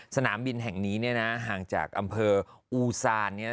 สนามบินแห่งนี้เนี่ยนะห่างจากอำเภออูซานเนี่ย